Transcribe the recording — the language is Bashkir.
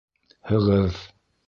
Һығыҙ.